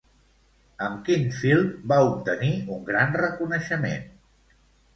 Amb quin film va obtenir un gran reconeixement?